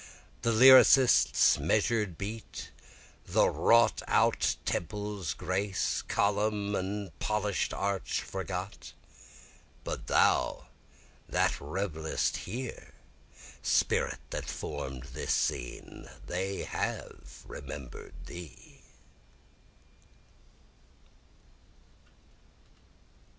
The lyrist's measur'd beat, the wrought out temple's grace column and polish'd arch forgot? But thou that revelest here spirit that form'd this scene, They have remember'd thee.